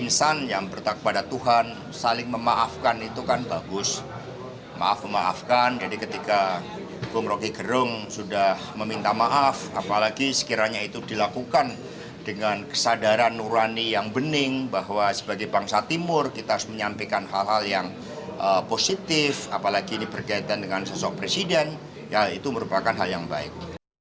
maafkan itu kan bagus maaf maafkan jadi ketika rokigerung sudah meminta maaf apalagi sekiranya itu dilakukan dengan kesadaran nurani yang bening bahwa sebagai bangsa timur kita harus menyampaikan hal hal yang positif apalagi ini berkaitan dengan sosok presiden ya itu merupakan hal yang baik